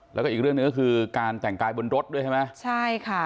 แล้วก็อีกเรื่องหนึ่งก็คือการแต่งกายบนรถด้วยใช่ไหมใช่ค่ะ